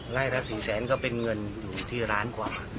ไล่ละ๔แสนก็เป็นเงินอยู่ที่ล้านกว่า